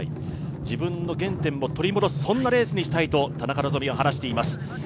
自分の原点を取り戻す、そんなレースにしたいと田中希実は話しています。